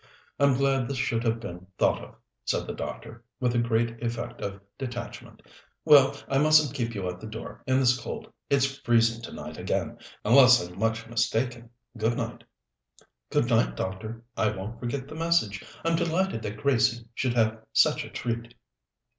I'm glad this should have been thought of," said the doctor, with a great effect of detachment. "Well, I mustn't keep you at the door in this cold. It's freezing tonight again, unless I'm much mistaken. Good night." "Good night, doctor. I won't forget the message. I'm delighted that Gracie should have such a treat."